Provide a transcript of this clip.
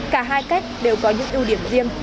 cả hai cách đều có những ưu điểm riêng